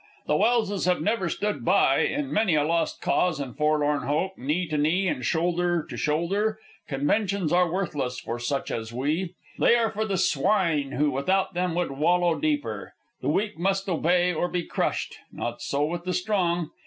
The Welses have ever stood by, in many a lost cause and forlorn hope, knee to knee and shoulder to shoulder. Conventions are worthless for such as we. They are for the swine who without them would wallow deeper. The weak must obey or be crushed; not so with the strong.